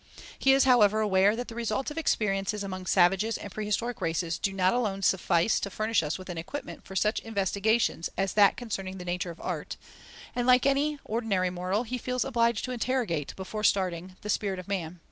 He is, however, aware that the results of experiences among savages and prehistoric races do not alone suffice to furnish us with an equipment for such investigations as that concerning the nature of Art, and, like any ordinary mortal, he feels obliged to interrogate, before starting, the spirit of man.